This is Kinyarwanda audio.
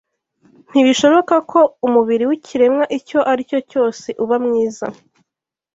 Ntibishoboka ko umubiri w’ikiremwa icyo aricyo cyose uba mwiza